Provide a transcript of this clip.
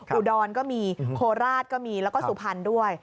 อุดรก็มีโคราชก็มีแล้วก็สุพรรณด้วย